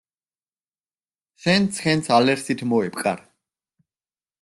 შენ ცხენს ალერსით მოეპყარ.